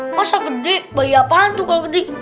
masa gede bayi apaan tuh kalo gede